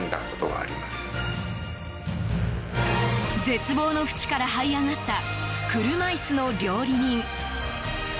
絶望の淵からはい上がった車椅子の料理人。